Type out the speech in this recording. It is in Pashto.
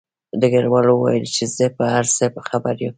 ډګروال وویل چې زه په هر څه خبر یم